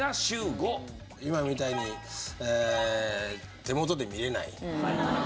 今みたいに手元で見れない。